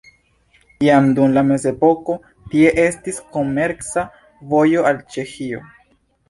Jam dum la mezepoko tie estis komerca vojo al Ĉeĥio.